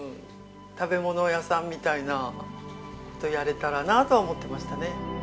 食べ物屋さんみたいな事やれたらなとは思ってましたね。